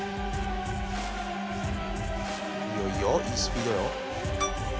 いいよいいよいいスピードよ。